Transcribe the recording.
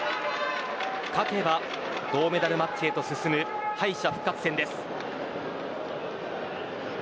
勝てば銅メダルマッチへと進む敗者復活戦です。